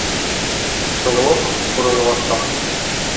Тынлыҡ урынлаша.